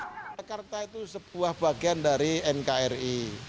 jakarta itu sebuah bagian dari nkri